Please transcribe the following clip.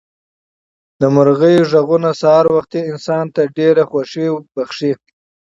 د مرغیو غږونه سهار وختي انسان ته ډېره خوښي بښي.